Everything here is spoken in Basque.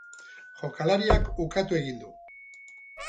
Jokalariak ukatu egin du.